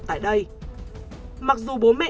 tại đây mặc dù bố mẹ